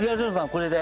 これで。